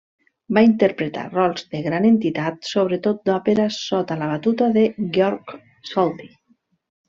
Va interpretar rols de gran entitat, sobretot d'òpera sota la batuta de Georg Solti.